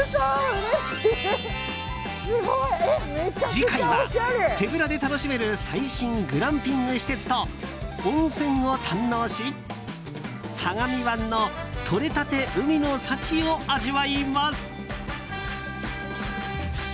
次回は手ぶらで楽しめる最新グランピング施設と温泉を堪能し相模湾の取れたて海の幸を味わいます。